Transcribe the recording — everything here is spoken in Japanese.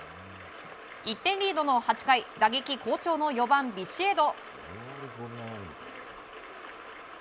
１点リードの８回打撃好調の４番、ビシエド。